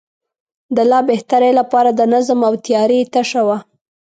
د لا بهترۍ لپاره د نظم او تیارۍ تشه وه.